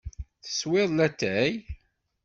Teswiḍ latay?